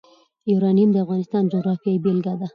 یورانیم د افغانستان د جغرافیې بېلګه ده.